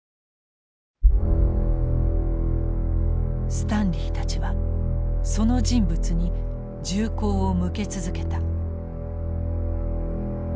スタンリーたちはその人物に銃口を向け続けた。